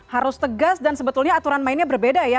harus tegas dan sebetulnya aturan mainnya berbeda ya